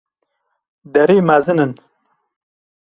Derî mezin in